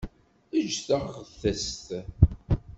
Eg taɣtest.